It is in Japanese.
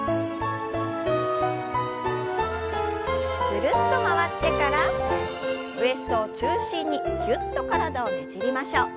ぐるっと回ってからウエストを中心にぎゅっと体をねじりましょう。